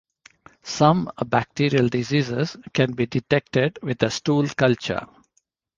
Some bacterial diseases can be detected with a stool culture.